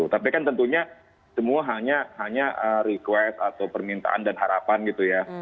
tapi kan tentunya semua hanya request atau permintaan dan harapan gitu ya